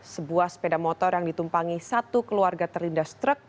sebuah sepeda motor yang ditumpangi satu keluarga terlindas truk